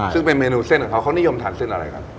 ซึ่งเป็นเมนูเส้นของเขาเขานิยมทานเส้นอะไรกัน